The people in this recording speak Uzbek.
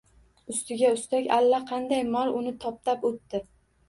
Ustiga-ustak allaqanday mol uni toptab o’tdi.